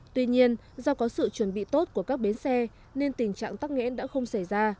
tuy nhiên do có sự chuẩn bị tốt của các bến xe nên tình trạng tắc nghẽn đã không xảy ra